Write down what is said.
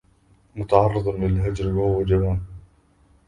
متعرض للهجر وهو جبان